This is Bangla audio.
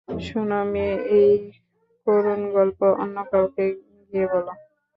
শোনো মেয়ে, এই করুণ গল্প অন্য কাউকে গিয়ে বল।